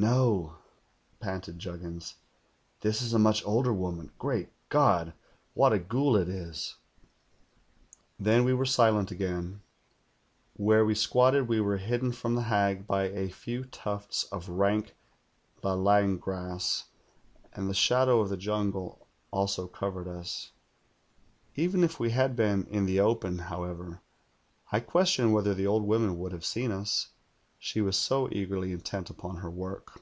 ^' "'No,' panted Juggins. 'This is a much older woman. Great God! AYliat a ghoul it is !' "Then we were silent again. Where we squatted we were hidden from the hag by a few tufts of rank Idlang grass, and the shadow of the jungle also cov ered us. Even if we had been in the open, however, I question whether the old woman would have seen us, she was so eagerly intent upon her work.